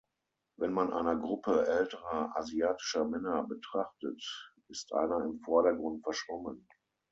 Wenn man eine Gruppe älterer asiatischer Männer betrachtet, ist einer im Vordergrund verschwommen.